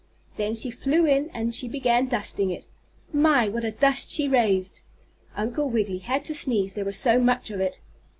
Then she flew in, and she began dusting it. My! what a dust she raised. Uncle Wiggily had to sneeze, there was so much of it.